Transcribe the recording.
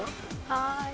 はい。